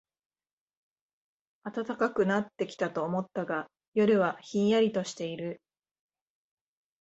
暖かくなってきたと思ったが、夜はひんやりとしている